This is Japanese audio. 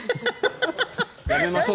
やめましょう。